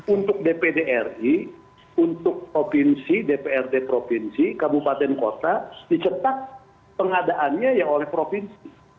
untuk dpd ri untuk provinsi dprd provinsi kabupaten kota dicetak pengadaannya yang oleh provinsi